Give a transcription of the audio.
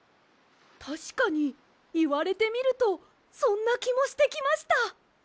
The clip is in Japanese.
たしかにいわれてみるとそんなきもしてきました。